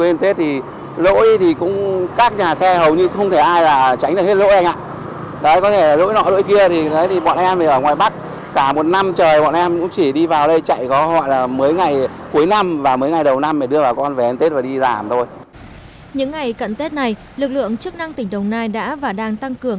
những ngày cận tết này lực lượng chức năng tỉnh đồng nai đã và đang tăng cường